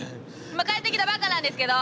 今帰ってきたばっかなんですけど！